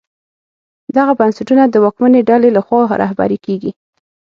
دغه بنسټونه د واکمنې ډلې لخوا رهبري کېږي.